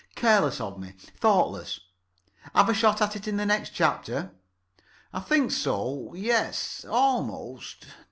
Careless of me. Thoughtless. Have a shot at it in the next chapter? I think so. Yes, almost